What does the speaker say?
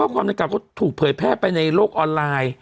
ความรับกรรมก็ถูกเปิดแพร่ไปในโลกออนไลน์